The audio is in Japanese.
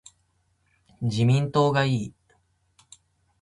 自民党がいい